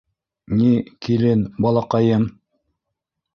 —Ни, килен, балаҡайым.